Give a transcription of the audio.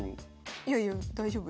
いやいや大丈夫？